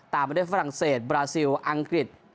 ไปด้วยฝรั่งเศสบราซิลอังกฤษ